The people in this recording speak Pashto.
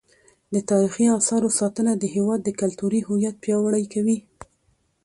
د تاریخي اثارو ساتنه د هیواد کلتوري هویت پیاوړی کوي.